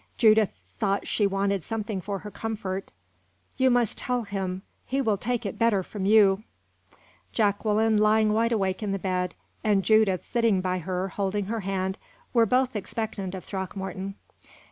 Judith thought she wanted something for her comfort. "You must tell him; he will take it better from you." Jacqueline, lying wide awake in the bed, and Judith, sitting by her, holding her hand, were both expectant of Throckmorton.